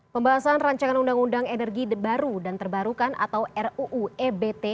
pembahasan rancangan undang undang energi baru dan terbarukan atau ruu ebt